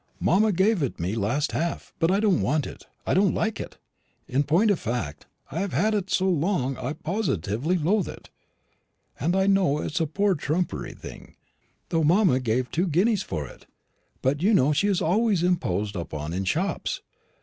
"Mamma gave it me last half; but I don't want it; I don't like it; in point of fact, I have had it so long that I positively loathe it. And I know it's a poor trumpery thing, though mamma gave two guineas for it; but you know she is always imposed upon in shops.